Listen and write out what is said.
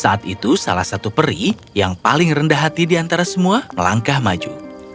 saat itu salah satu peri yang paling rendah hati diantara semua melangkah maju